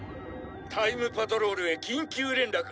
「タイムパトロールへ緊急連絡！」